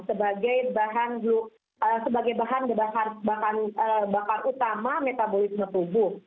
sebagai bahan bakar utama metabolisme tubuh